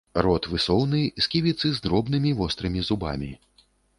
Рот высоўны, сківіцы з дробнымі вострымі зубамі.